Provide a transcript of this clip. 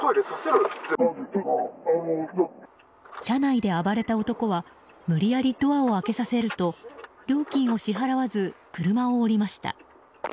車内で暴れた男は無理やり、ドアを開けさせると料金を支払わず車を降りました。